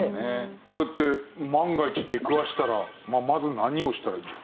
これって万が一出くわしたらまず何をしたらいいんです？